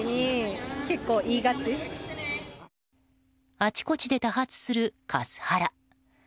あちこちで多発するカスハラ。